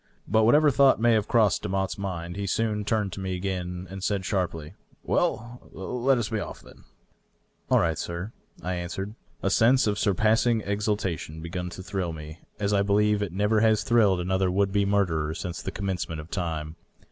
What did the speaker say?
But whatever thought may have croi^sed Demotte's mind, he soon turned to me again and said sharply, " Well, let us be off at once." "All right, sir," I answered. A sense of surpassing exultation had begun to thrill me, as I believe it never has thrilled another would be murderer since the commencement of time.